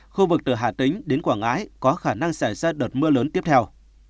khu vực từ hà tĩnh đến quảng ngãi có khả năng xảy ra đợt mưa lớn tiếp theo